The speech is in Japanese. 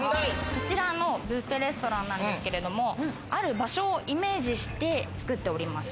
こちらのビュッフェレストランなんですけれど、ある場所をイメージしてつくられております。